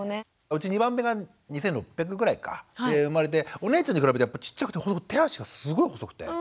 うち２番目が２，６００ぐらいかで生まれてお姉ちゃんに比べてやっぱちっちゃくてほんと手足がすごい細くて。